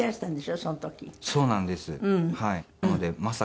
そうなんです。